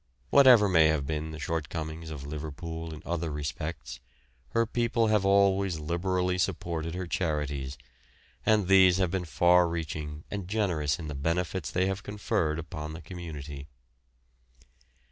Whatever may have been the shortcomings of Liverpool in other respects, her people have always liberally supported her charities, and these have been far reaching and generous in the benefits they have conferred upon the community.